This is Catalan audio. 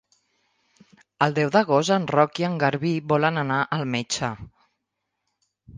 El deu d'agost en Roc i en Garbí volen anar al metge.